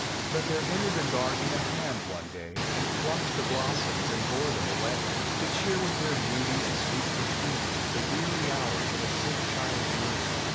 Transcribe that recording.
f3ut there entered the garden a hand one day, And plucked the blossoms and bore them away To cheer with their beauty and sweet perfume The weary hours of a sick child's room.